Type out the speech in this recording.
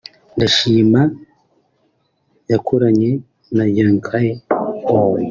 Ndashima yakoranye na Young Boy